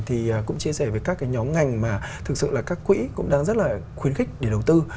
thì cũng chia sẻ với các cái nhóm ngành mà thực sự là các quỹ cũng đang rất là khuyến khích để đầu tư